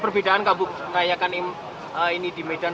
menggabungkan rakyat ini di medan sama di magelang